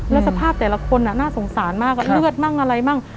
แล้วสภาพแต่ละคนน่าสงสารมากเลือดมั่งอะไรมั่ง